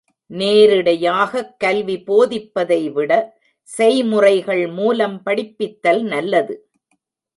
நேரிடையாகக் கல்வி போதிப்பதைவிட, செய்முறைகள் மூலம் படிப்பித்தல் நல்லது.